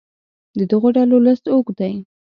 د دغو ډلو لست اوږد دی.